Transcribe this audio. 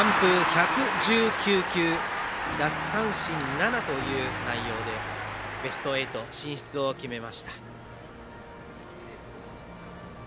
１１９球奪三振７という内容でベスト８進出を決めました。